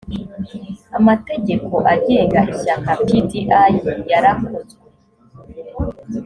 amategeko agenga ishyaka pdi yarakozwe